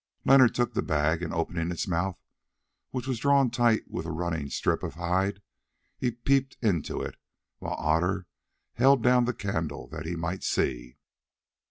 Leonard took the bag, and opening its mouth, which was drawn tight with a running strip of hide, he peeped into it while Otter held down the candle that he might see.